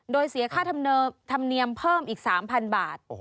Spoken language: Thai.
โดยเสียค่าธรรมเนียมเพิ่มอีก๓๐๐บาท